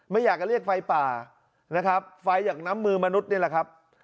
ไม่อยากจะเรียกไฟป่านะครับไฟจากน้ำมือมนุษย์นี่แหละครับ